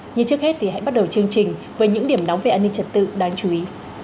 như trước hết thì hãy bắt đầu chương trình với những điểm nóng về an ninh trật tự đáng chú ý